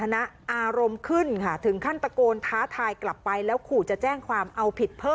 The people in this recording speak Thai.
ในคลิปตอนสัมภาษณ์ก็ยังได้ยินเสียงคุณชูวิทย์ตลอดเวลาเลย